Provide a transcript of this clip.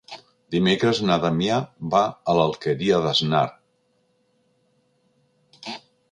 Dimecres na Damià va a l'Alqueria d'Asnar.